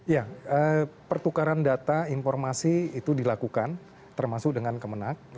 ya pertukaran data informasi itu dilakukan termasuk dengan kemenang